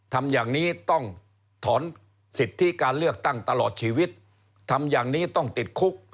ทำอย่างนี้ต้องถอนสิทธิการเลือกตั้งตลอดชีวิตทำอย่างนี้ต้องติดคุก